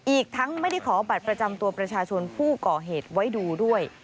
อีกทั้งไม่ได้ขอบัตรประจำตัวประชาชนผู้ก่อเหตุไว้ดูด้วย